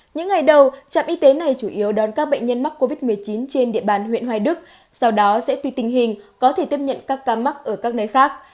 những ngày đầu trạm y tế này chủ yếu đón các bệnh nhân mắc covid một mươi chín trên địa bàn huyện hoài đức sau đó sẽ tùy tình hình có thể tiếp nhận các ca mắc ở các nơi khác